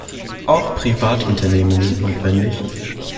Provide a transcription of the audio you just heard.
Auch Privatunternehmen sind notwendig.